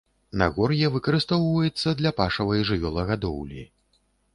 Нагор'е выкарыстоўваецца для пашавай жывёлагадоўлі.